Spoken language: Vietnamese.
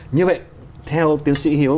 như vậy theo tiến sĩ hiếu